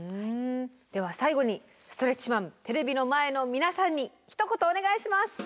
では最後にストレッチマンテレビの前の皆さんにひと言お願いします。